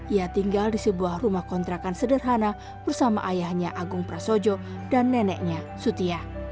ia tinggal di sebuah rumah kontrakan sederhana bersama ayahnya agung prasojo dan neneknya sutia